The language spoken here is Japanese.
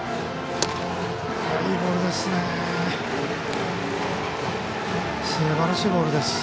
いいボールですね。